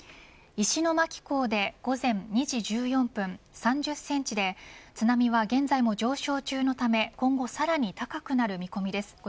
石巻港で午前２時１４分３０センチで津波は現在も上昇中のため今後さらに高くなる見込みです